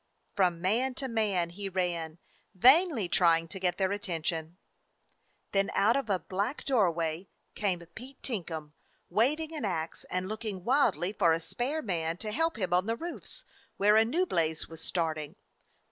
From man to man he ran, vainly try ing to get their attention. Then out of a black doorway came Pete Tinkum, waving an ax and looking wildly for a spare man to help him on the roofs, where a new blaze was starting.